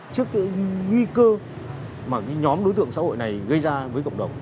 trước những nguy cơ mà nhóm đối tượng xã hội này gây ra với cộng đồng